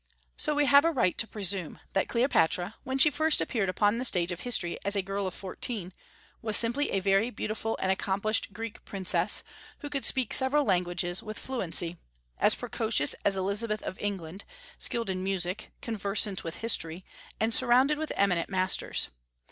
So we have a right to presume that Cleopatra, when she first appeared upon the stage of history as a girl of fourteen, was simply a very beautiful and accomplished Greek princess, who could speak several languages with fluency, as precocious as Elizabeth of England, skilled in music, conversant with history, and surrounded with eminent masters.